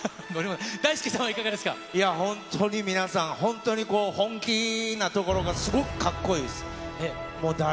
本当に皆さん、本当にこう、本気なところがすごくかっこいいです。